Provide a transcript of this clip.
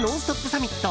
サミット。